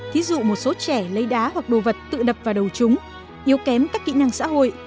thí dụ một số trẻ lấy đá hoặc đồ vật tự đập vào đầu chúng yếu kém các kỹ năng xã hội